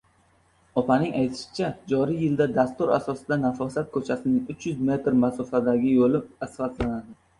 Opaning aytishicha, joriy yilda dastur asosida Nafosat koʻchasining uch yuz metr masofadagi yoʻli asfaltlanadi.